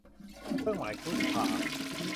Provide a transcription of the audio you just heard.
เครื่องหมายครุฑพ่าห์